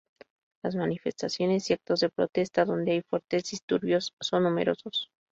Las manifestaciones y actos de protesta, donde hay fuertes disturbios, son numerosos.